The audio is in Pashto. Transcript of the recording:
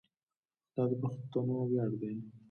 دا د پښتنو ویاړ دی.